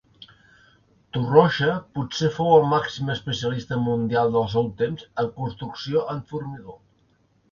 Torroja potser fou el màxim especialista mundial del seu temps en construcció en formigó.